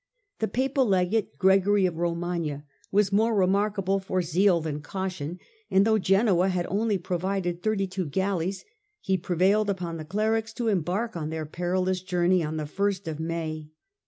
The Papal Legate, Gregory of Romagna, was more remarkable for zeal than caution, and though Genoa had only provided thirty two galleys, he prevailed upon the clerics to em bark on their perilous journey on the 1st of May.